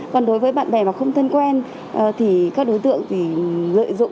còn đối với bạn bè mà không thân quen thì các đối tượng thì lợi dụng